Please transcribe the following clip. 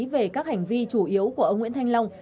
về các hành vi chủ yếu của ông nguyễn thanh long